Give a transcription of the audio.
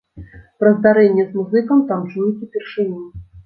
Пра здарэнне з музыкам там чуюць упершыню.